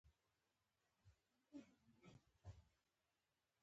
افغانستان تر هغو نه ابادیږي، ترڅو د پیسو مینځل بند نشي.